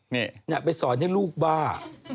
นี่ไปสอนให้ลูกบ้า